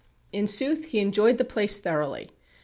In sooth, he enjoyed the place thoroughly.